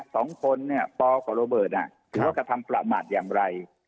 สองคนเนี่ยต่อกับระเบิดนะเขากระทำประหมัดอย่างไร